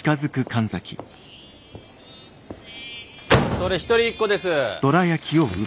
それ一人一個です！